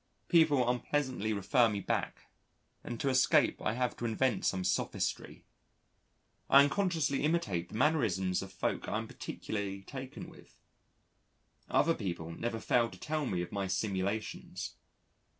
People unpleasantly refer me back, and to escape I have to invent some sophistry. I unconsciously imitate the mannerisms of folk I am particularly taken with. Other people never fail to tell me of my simulations.